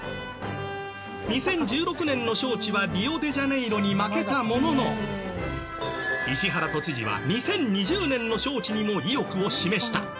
２０１６年の招致はリオデジャネイロに負けたものの石原都知事は、２０２０年の招致にも意欲を示した。